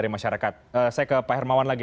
saya ke pak hermawan lagi